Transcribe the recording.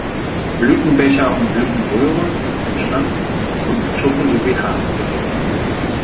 Blütenbecher und Blütenröhre sind schlank und mit Schuppen sowie Haaren bedeckt.